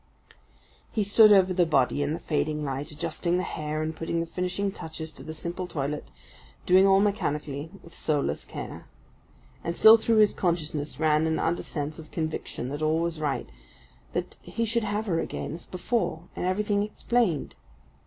He stood over the body in the fading light, adjusting the hair and putting the finishing touches to the simple toilet, doing all mechanically, with soulless care. And still through his consciousness ran an undersense of conviction that all was right that he should have her again as before, and everything explained.